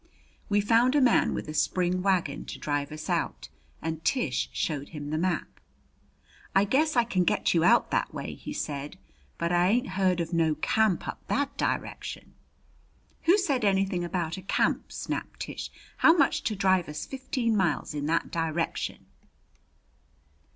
We found a man with a spring wagon to drive us out and Tish showed him the map. "I guess I can get you out that way," he said, "but I ain't heard of no camp up that direction." "Who said anything about a camp?" snapped Tish. "How much to drive us fifteen miles in that direction?"